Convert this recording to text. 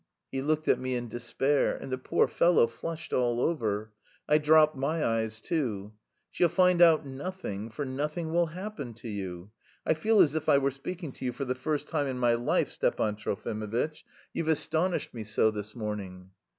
He looked at me in despair. And the poor fellow flushed all over. I dropped my eyes too. "She'll find out nothing, for nothing will happen to you. I feel as if I were speaking to you for the first time in my life, Stepan Trofimovitch, you've astonished me so this morning."